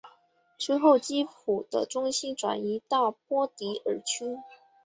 之后基辅的中心转移到波迪尔区。